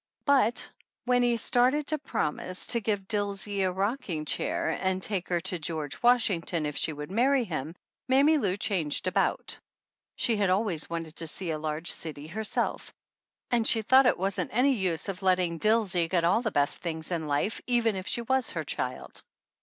But when he started to promising to give Dilsey a rocking chair and take her to "George Washington" if she would marry him, Mammy Lou changed about. She had always wanted to see a large city herself, and she thought it wasn't any use of letting Dilsey get all the best things in life, even if she was her child.